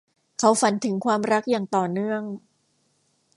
เขาฝันถึงความรักอย่างต่อเนื่อง